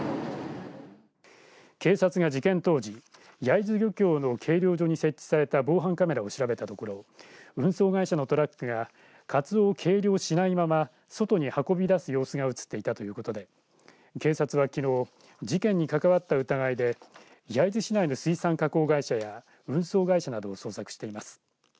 警察が事件当時焼津漁業の計量所に設置されていた防犯カメラを調べたところ運送会社のトラックがカツオを計量しないまま外に運び出す様子が映っていたということで警察はきのう事件に関わった疑いで焼津市内の水産加工会社や運送会社などを捜索しています。